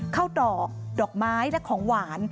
ข้าวดอกดอกไม้และของหวาน